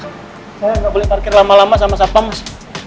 saya gak boleh parkir lama lama sama sapa mas